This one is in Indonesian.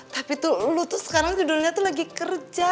tapi tuh lu tuh sekarang judulnya tuh lagi kerja